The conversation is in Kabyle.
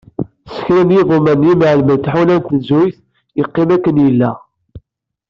S kra n yiḍumman n yimεellmen n tḥuna n tnezzuyt, yeqqim akken yella.